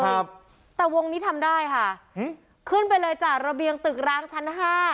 ครับแต่วงนี้ทำได้ค่ะอืมขึ้นไปเลยจากระเบียงตึกร้างชั้นห้า